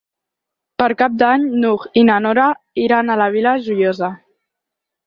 Per Cap d'Any n'Hug i na Nora iran a la Vila Joiosa.